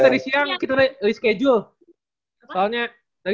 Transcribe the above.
terima kasih banget ya bang